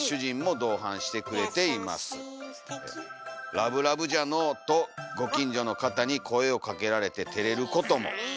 「『ラブラブじゃのお』と御近所の方に声をかけられて照れることも」。